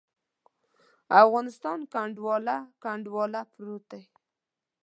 افغانستان کنډواله، کنډواله پروت دی.